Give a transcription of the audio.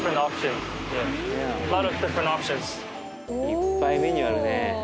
いっぱいメニューあるね。